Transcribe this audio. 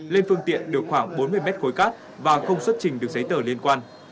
lên phương tiện được khoảng bốn mươi mét khối cát và không xuất trình được giấy tờ liên quan